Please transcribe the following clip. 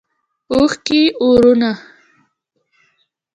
اوښکې اورونه